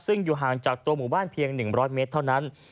ซึ่งอยู่ห่างจากตัวหมู่บ้านเพียง๑๐๐เมตรเท่านั้น